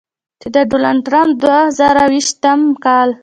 چې د ډونالډ ټرمپ د دوه زره یویشتم کال